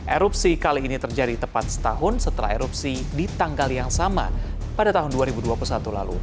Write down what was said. erupsi kali ini terjadi tepat setahun setelah erupsi di tanggal yang sama pada tahun dua ribu dua puluh satu lalu